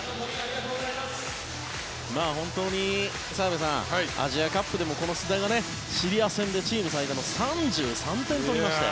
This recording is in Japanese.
本当に澤部さんアジアカップでもこの須田がシリア戦でチーム最多の３３点取りました。